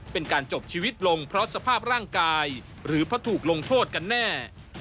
เป็นการจบชีวิตลงเพราะสภาพร่างกายหรือเพราะถูกลงโทษกันแน่